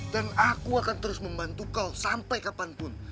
dan aku akan terus membantu kau sampai kapanpun